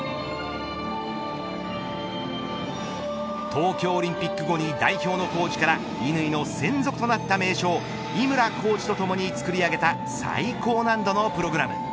東京オリンピック後に代表のコーチから乾の専属となった名将井村コーチとともに作り上げた最高難度のプログラム。